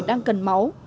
đang cần máu